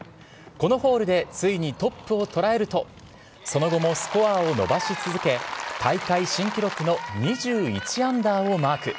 このホールでついにトップを捉えると、その後もスコアを伸ばし続け、大会新記録の２１アンダーをマーク。